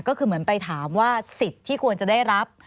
ก็คือเหมือนไปถามว่าสิทธิ์ที่ควรจะได้รับ